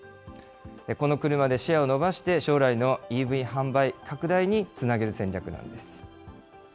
この車でシェアを伸ばして、将来のＥＶ販売拡大につなげる戦略なんです。